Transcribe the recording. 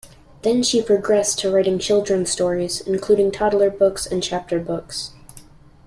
Then she progressed to writing children stories, including toddler books and chapter books.